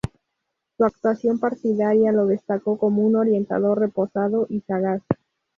Su actuación partidaria lo destacó como un orientador reposado y sagaz.